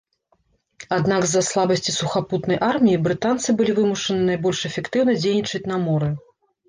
Аднак з-за слабасці сухапутнай арміі брытанцы былі вымушаны найбольш эфектыўна дзейнічаць на моры.